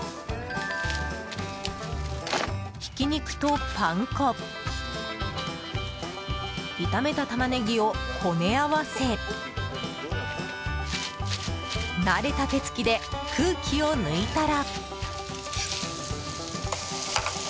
ひき肉とパン粉炒めたタマネギをこね合わせ慣れた手つきで空気を抜いたら。